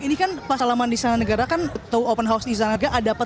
ini kan pasalaman di sana negara kan open house di sana negara